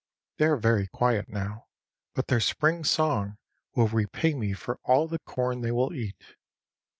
They are very quiet now, but their spring song will repay me for all the corn they will eat.